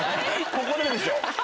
ここででしょ！